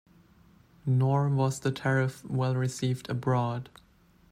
Nor was the tariff well received abroad.